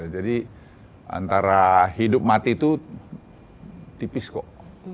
jadi antara hidup mati itu tipis kok